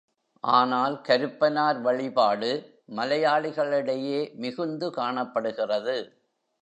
ஆனால் கருப்பனார் வழிபாடு மலையாளிகளிடையே மிகுந்து காணப்படுகிறது.